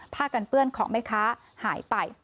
ผ้ากันเปื้อนของแม่ค้าหายไป